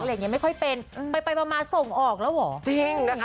อะไรอย่างเนี่ยไม่ค่อยเป็นไปมาส่งออกแล้วเหรอ